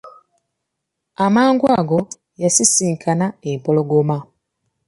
Amangu ago, yasisinkana empologoma!